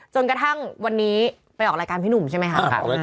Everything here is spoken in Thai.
จนกระทั่งวันนี้ไปออกรายการพี่หนุ่มใช่ไหมคะ